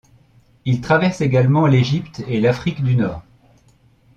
Il traverse également l'Égypte et l'Afrique du Nord.